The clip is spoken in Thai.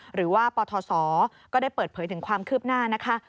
หรือว่าปทศก็ได้เปิดเผยถึงความคืบหน้านะคะ